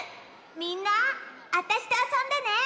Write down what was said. みんなあたしとあそんでね！